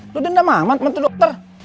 lu dendam amat sama tuh dokter